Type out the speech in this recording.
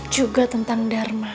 juga tentang dharma